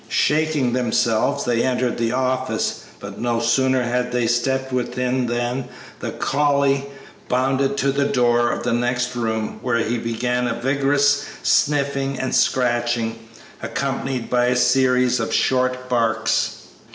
Shaking themselves, they entered the office, but no sooner had they stepped within than the collie bounded to the door of the next room where he began a vigorous sniffing and scratching, accompanied by a series of short barks.